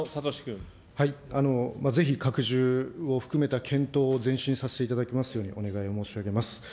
ぜひ、拡充を含めた検討を前進させていただきますように、お願い申し上げます。